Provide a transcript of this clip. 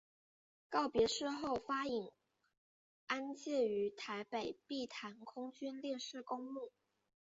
告别式后发引安厝于台北碧潭空军烈士公墓。